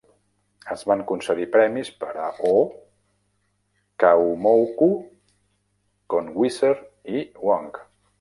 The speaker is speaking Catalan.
Es van concedir premis per a Ho, Kahumoku, Konwiser i Wong.